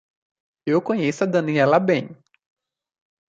Eu conheço a Daniela bem.